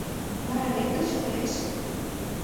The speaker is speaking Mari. — Вара лекгыч коеш?